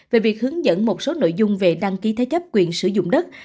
về việc hướng dẫn một số nội dung về đăng ký thế chấp quyền sử dụng đất